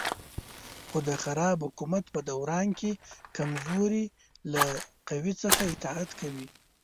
خو د خراب حکومت په دوران کې کمزوري له قوي څخه اطاعت کوي.